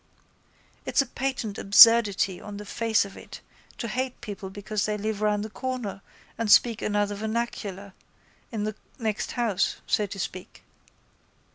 It's a patent absurdity on the face of it to hate people because they live round the corner and speak another vernacular, in the next house so to speak.